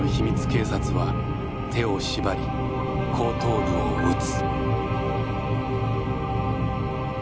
警察は手を縛り後頭部を撃つ。